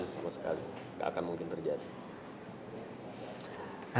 saya sudah jadi gubernur autonomi tamawcha